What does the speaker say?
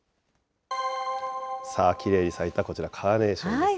さあ、きれいに咲いたこちらカーネーションですね。